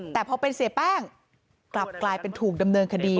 แต่พอเป็นเสียแป้งกลับกลายเป็นถูกดำเนินคดี